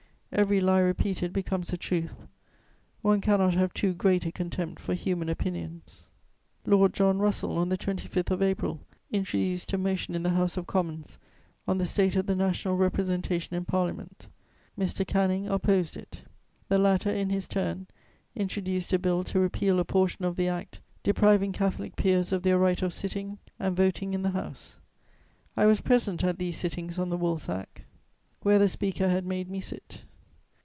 Every lie repeated becomes a truth: one cannot have too great a contempt for human opinions. Lord John Russell, on the 25th of April, introduced a motion in the House of Commons on the state of the national representation in Parliament: Mr. Canning opposed it. The latter, in his turn, introduced a Bill to repeal a portion of the Act depriving Catholic peers of their right of sitting and voting in the House. I was present at these sittings on the woolsack, where the Speaker had made me sit.